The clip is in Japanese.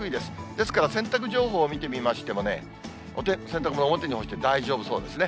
ですから、洗濯情報を見てみましてもね、洗濯物表に干して大丈夫そうですね。